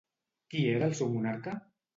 Qui era el seu monarca?